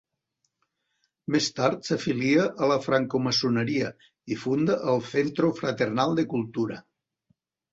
Més tard s'afilia a la francmaçoneria i funda el Centro Fraternal de Cultura.